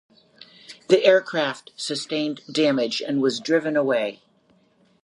The aircraft sustained damage and was driven away.